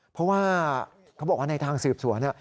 เพราะว่าเขาบอกว่าในทางสืบสวน